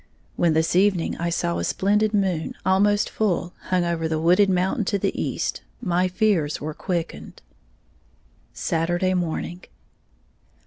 When this evening I saw a splendid moon, almost full, hang over the wooded mountain to the East, my fears were quickened. _Saturday Morning.